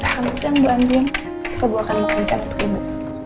kamu siang berantin sebuah kandungan sehat untuk ibu